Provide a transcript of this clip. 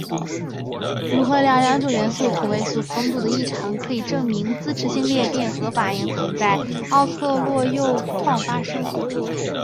钕和钌两种元素同位素丰度的异常可以证明自持性裂变核反应曾在奥克洛铀矿发生。